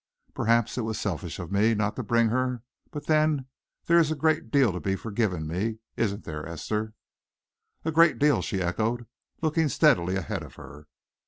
Perhaps it was selfish of me not to bring her, but then, there is a great deal to be forgiven me, isn't there, Esther?" "A great deal," she echoed, looking steadily ahead of her.